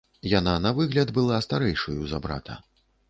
Яна на выгляд была старэйшаю за брата.